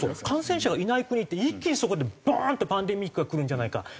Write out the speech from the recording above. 感染者がいない国って一気にそこでボーンってパンデミックがくるんじゃないか。